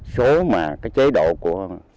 số mà cái chế độ của